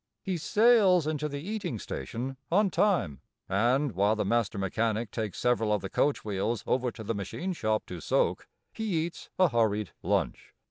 He sails into the eating station on time, and, while the master mechanic takes several of the coach wheels over to the machine shop to soak, he eats a hurried lunch.